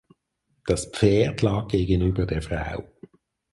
Das Pferd lag gegenüber der Frau.